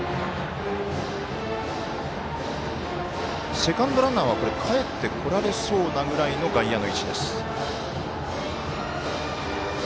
セカンドランナーはかえってこられそうなぐらいの外野の位置です。